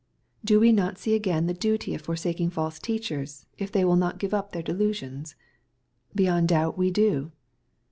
'' Do we not see again the duty of forsaking false teachers, if they will not give up their delusions ? Be yond doubt we do.